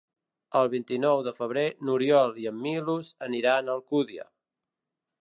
El vint-i-nou de febrer n'Oriol i en Milos aniran a Alcúdia.